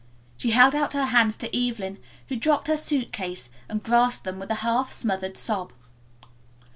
She held out her hands to Evelyn, who dropped her suit case and grasped them with a half smothered sob.